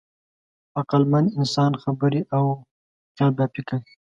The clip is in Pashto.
عقلمن انسان خبرې او خیالبافي کوي.